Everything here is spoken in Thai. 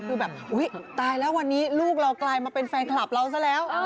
คือแบบอุ๊ยตายแล้ววันนี้ลูกเรากลายมาเป็นแฟนคลับเราซะแล้ว